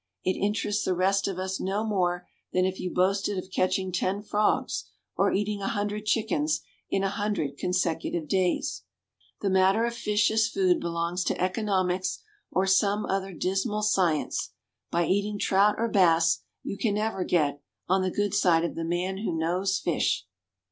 It interests the rest of us no more than if you boasted of catching ten frogs, or eating a hundred chickens in a hundred consecutive days. The matter of fish as food belongs to economics or some other dismal science. By eating trout or bass you can never get "on the good side of the man who knows fish."